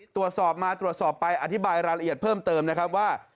ตรวจสอบมาตรวจสอบไปอธิบายรายละเอียดเพิ่มเติมนะครับว่า